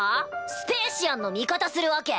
スペーシアンの味方するわけ？